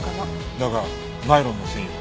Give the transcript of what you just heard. だがナイロンの繊維は？